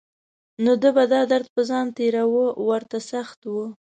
نو ده به دا درد په ځان تېراوه ورته سخت و.